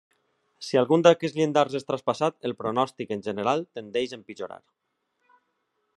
Si algun d'aquests llindars és traspassat, el pronòstic, en general, tendeix a empitjorar.